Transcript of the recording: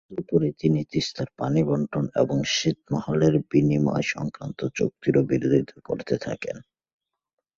তদুপরি তিনি তিস্তার পানি বণ্টন এবং ছিটমহল বিনিময়সংক্রান্ত চুক্তিরও বিরোধিতা করতে থাকেন।